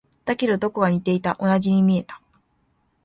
だけど、どこか似ていた。同じに見えた。